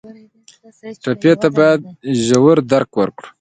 ټپي ته باید ژور درک ورکړو.